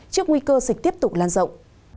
trước nguy cơ dịch tiếp tục lan rộng